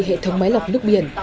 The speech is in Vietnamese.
hệ thống máy lọc nước biển